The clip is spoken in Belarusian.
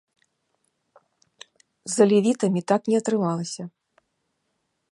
З алевітамі так не атрымалася.